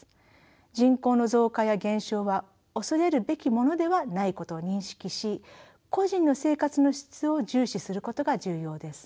人口の増加や減少は恐れるべきものではないことを認識し個人の生活の質を重視することが重要です。